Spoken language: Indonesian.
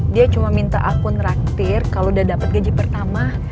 dia cuma minta aku ngeraktir kalau udah dapet gaji pertama